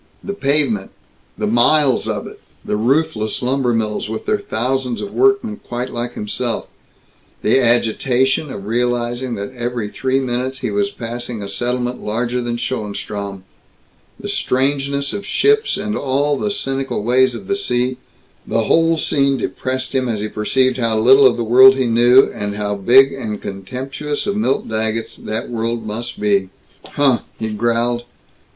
The pavement the miles of it; the ruthless lumbermills, with their thousands of workmen quite like himself; the agitation of realizing that every three minutes he was passing a settlement larger than Schoenstrom; the strangeness of ships and all the cynical ways of the sea the whole scene depressed him as he perceived how little of the world he knew, and how big and contemptuous of Milt Daggetts that world must be. "Huh!" he growled.